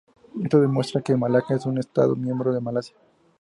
Esto demuestra que Malaca es un estado miembro de Malasia.